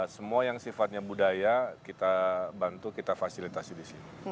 semua yang sifatnya budaya kita bantu kita fasilitasi disini